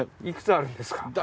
いくつあるんですか？